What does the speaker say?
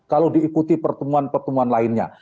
kalau diikuti pertemuan pertemuan lainnya